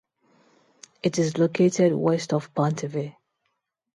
It is located west of Pontivy.